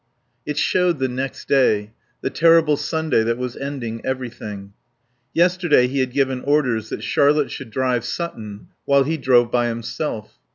It showed the next day, the terrible Sunday that was ending everything. Yesterday he had given orders that Charlotte should drive Sutton while he drove by himself.